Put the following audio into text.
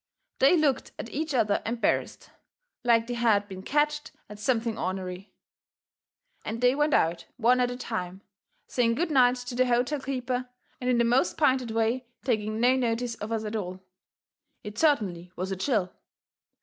They looked at each other embarrassed, like they had been ketched at something ornery. And they went out one at a time, saying good night to the hotel keeper and in the most pinted way taking no notice of us at all. It certainly was a chill.